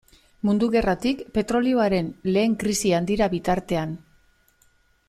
Mundu Gerratik petrolioaren lehen krisi handira bitartean.